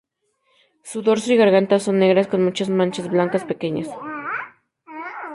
Su dorso y garganta son negras con muchas manchas blancas pequeñas.